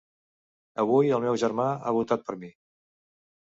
Avui el meu germà ha votat per mi.